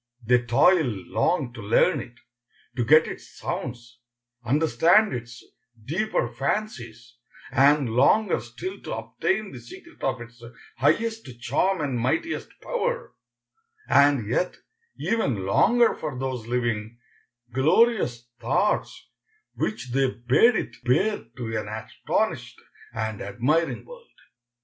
They toiled long to learn it, to get its sounds, understand its deeper fancies, and longer still to obtain the secret of its highest charm and mightiest power, and yet even longer for those living, glorious thoughts which they bade it bear to an astonished and admiring world.